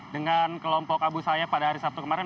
dengan kelompok abu sayyaf pada hari sabtu kemarin